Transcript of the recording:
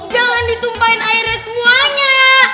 jangan ditumpain airnya semuanya